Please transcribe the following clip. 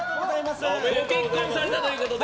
ご結婚されたということで。